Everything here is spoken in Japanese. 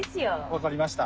分かりました。